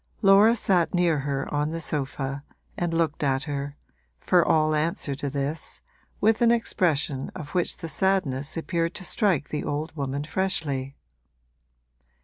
Laura sat near her on her sofa and looked at her, for all answer to this, with an expression of which the sadness appeared to strike the old woman freshly.